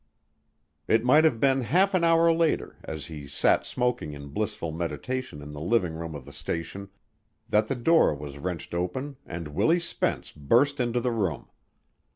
It might have been half an hour later, as he sat smoking in blissful meditation in the living room of the station, that the door was wrenched open and Willie Spence burst into the room.